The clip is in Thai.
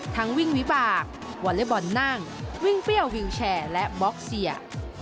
วิ่งวิบากวอเล็กบอลนั่งวิ่งเปรี้ยววิวแชร์และบล็อกเซีย